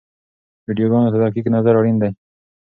ویډیوګانو ته دقیق نظر اړین دی.